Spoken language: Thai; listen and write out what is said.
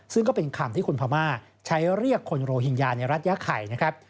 ซึ่งก็เป็นคำที่คุณพม่าใช้เรียกคนโรฮิงญาในรัฐยาไข่นะครับ